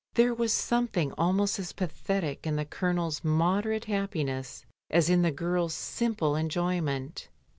There was something almost as pathetic in the Colonel's moderate happiness as in the girl's simple enjoyment.